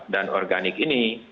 dan organik ini